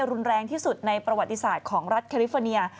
รุนแรงที่สุดในประวัติศาสตร์ของรัฐแคลิฟอร์เนีย